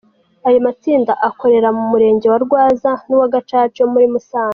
Ayo matsinda akorera mu Murenge wa Rwaza n’uwa Gacaca yo muri Musanze.